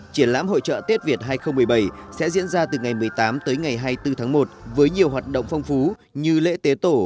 triển lãm hội trợ tết việt hai nghìn một mươi bảy sẽ diễn ra từ ngày một mươi tám tới ngày hai mươi bốn tháng một với nhiều hoạt động phong phú như lễ tế tổ